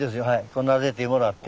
こうなでてもらって。